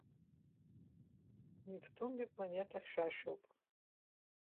Нептун ипланета хьшәашәоуп.